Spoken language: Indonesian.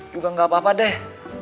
juga nggak apa apa deh